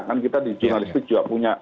kan kita di jurnalistik juga punya